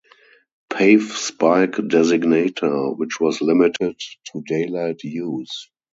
Pave Spike designator, which was limited to daylight use.